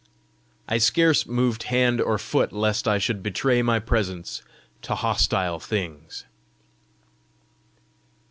I scarce moved hand or foot lest I should betray my presence to hostile things.